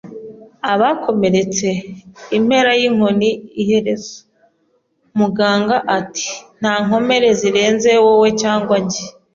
“Abakomeretse? Impera y'inkoni iherezo! ” muganga ati. “Nta nkomere zirenze wowe cyangwa njye.